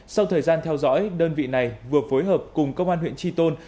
sau thời gian theo dõi đơn vị này vừa phối hợp cùng công an huyện tri tôn